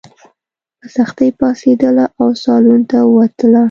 په سختۍ پاڅېدله او سالون ته ووتله.